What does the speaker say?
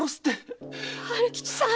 春吉さん！